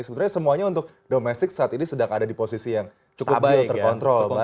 sebetulnya semuanya untuk domestik saat ini sedang ada di posisi yang cukup terkontrol